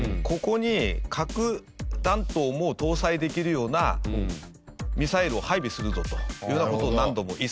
ここに核弾頭も搭載できるようなミサイルを配備するぞというような事を何度も。